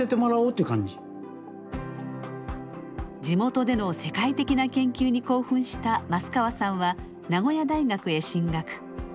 地元での世界的な研究に興奮した益川さんは名古屋大学へ進学。